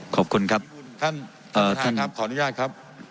ขอบคุณครับท่านท่านครับขออนุญาตครับ